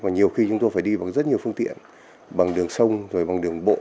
nhiều khi chúng tôi phải đi bằng rất nhiều phương tiện bằng đường sông rồi bằng đường bộ